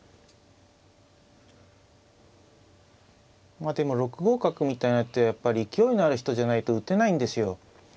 まあでも６五角みたいな手はやっぱり勢いのある人じゃないと打てないんですよ。